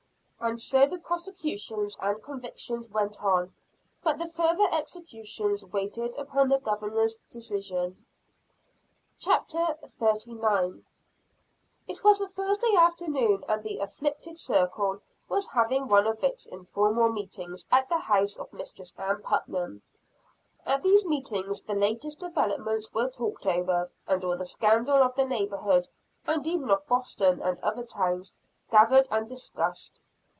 And so the prosecutions and convictions went on; but the further executions waited upon the Governor's decision. CHAPTER XXXIX. The Rattlesnake Makes a Spring. It was a Thursday afternoon, and the "afflicted circle" was having one of its informal meetings at the house of Mistress Ann Putnam. At these meetings the latest developments were talked over; and all the scandal of the neighborhood, and even of Boston and other towns, gathered and discussed.